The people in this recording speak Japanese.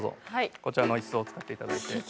こちらの椅子を使っていただいて。